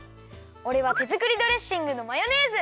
おれはてづくりドレッシングのマヨネーズ。